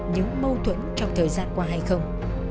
những mâu thuẫn trong thời gian qua hay không